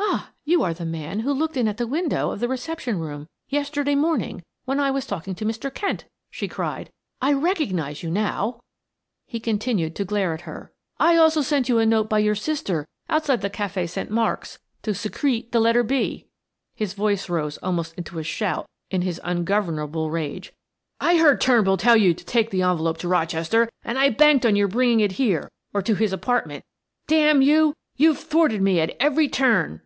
"Ah, you are the man who looked in at the window of the reception room yesterday morning when I was talking to Mr. Kent," she cried. "I recognize you now." He continued to glare at her. "I also sent you a note by your sister outside the Cafe St. Marks to secrete the letter 'B'," his voice rose almost into a shout in his ungovernable rage. "I heard Turnbull tell you to take the envelope to Rochester, and I banked on your bringing it here or to his apartment. D mn you! You've thwarted me at every turn."